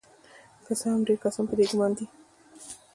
که څه هم چې ډیر کسان په دې ګمان دي